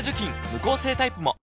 無香性タイプも！